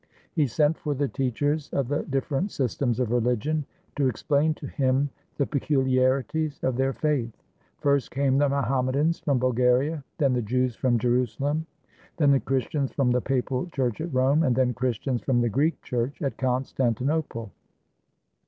He sent for the teachers of the different systems of religion, to ex plain to him the peculiarities of their faith. First came the Mohammedans from Bulgaria; then the Jews from Jerusalem; then the Christians from the Papal Church at Rome, and then Christians from the Greek Church at Constantinople.